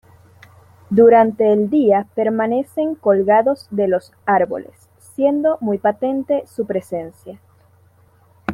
Durante el día permanecen colgados de los árboles siendo muy patente su presencia.